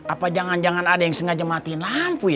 apa jangan jangan ada yang sengaja matiin lampu ya